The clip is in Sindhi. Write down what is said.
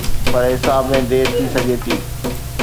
پر حساب ۾ دير ٿي سگهي ٿي.